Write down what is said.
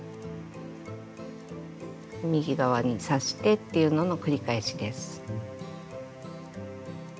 右側に刺してっていうのの繰り返しです。